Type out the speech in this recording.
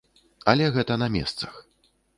Але гэта на месцах.